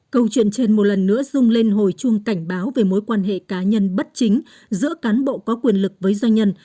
câu chuyện trên một lần nữa rung lên hồi chuông cảnh báo về mối quan hệ cá nhân bất chính giữa cán bộ có quyền lực với doanh nhân